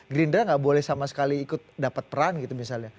gerindra nggak boleh sama sekali ikut dapat peran gitu misalnya